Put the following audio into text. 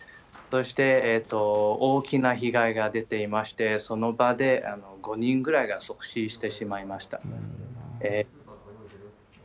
そして、大きな被害が出ていまして、その場で５人ぐらいが即死してしまいました。